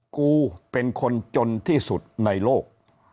กูเป็นคนจนที่สุดในโลก